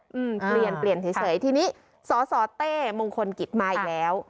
อืมเปลี่ยนเปลี่ยนเปลี่ยนเฉยเฉยทีนี้สสเต้มงคลกิจมาอีกแล้ว